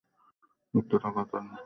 উদ্ভট কথা বলবেন না।